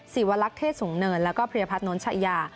ศิวลักษ์เทศสูงเนินแล้วก็เพรียพัฒน้นชายา